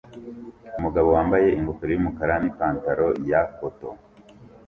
Umugabo wambaye ingofero yumukara nipantaro ya cotoon